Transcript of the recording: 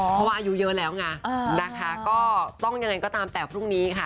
เพราะว่าอายุเยอะแล้วไงนะคะก็ต้องยังไงก็ตามแต่พรุ่งนี้ค่ะ